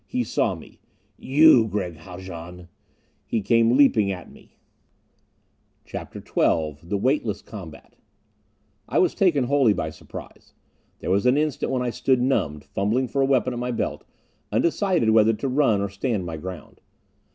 He saw me. "You, Gregg Haljan!" He came leaping at me. CHAPTER XII The Weightless Combat I was taken wholly by surprise. There was an instant when I stood numbed, fumbling for a weapon at my belt, undecided whether to run or stand my ground.